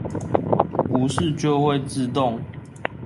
不是就會自動